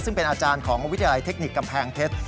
ซึ่งเป็นอาจารย์ของวิทยาลัยเทคนิคกำแพงเพชร